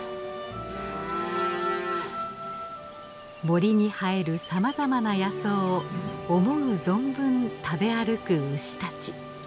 森に生えるさまざまな野草を思う存分食べ歩く牛たち。